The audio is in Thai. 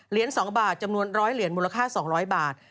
๒บาทจำนวน๑๐๐เหรียญมูลค่า๒๐๐บาท